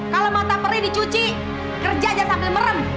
kalau mata perih dicuci kerja aja sampai merem